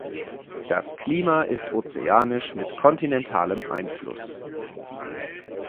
Das Klima ist ozeanisch mit kontinentalem Einfluss.